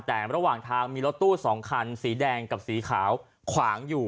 แต่ระหว่างทางมีรถตู้๒คันสีแดงกับสีขาวขวางอยู่